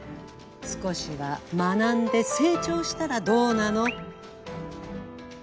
少しは学んで成長したらどうなの？